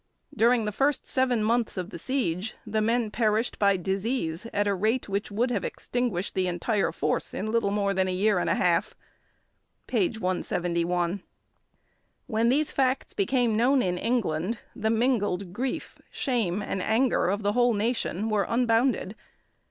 During the first seven months of the siege the men perished by disease at a rate which would have extinguished the entire force in little more than a year and a half" (p. 171). When these facts became known in England, the mingled grief, shame, and anger of the whole nation were unbounded.